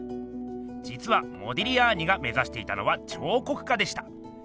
じつはモディリアーニが目ざしていたのは彫刻家でした。